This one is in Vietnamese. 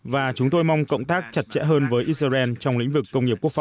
và chúng tôi mong cộng tác chặt chẽ hơn với israel trong lĩnh vực